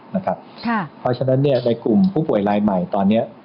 เพราะฉะนั้นในกลุ่มผู้ป่วยรายใหม่ตอนนี้